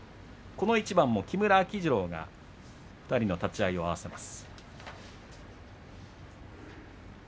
この一番も木村秋治郎が２人の立ち合いを合わせます。